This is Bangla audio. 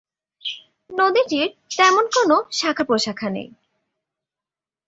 নদীটির তেমন কোনো শাখা-প্রশাখা নেই।